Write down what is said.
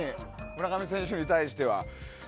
村上選手に対しては。